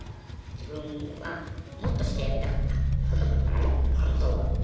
自分はもっとしてやりたかった子どもに本当は。